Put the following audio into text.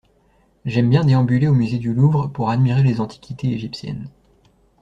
J’aime bien déambuler au musée du Louvre pour admirer les antiquités égyptiennes.